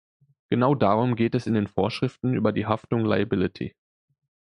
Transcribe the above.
Genau darum geht es in den Vorschriften über die Haftung liability.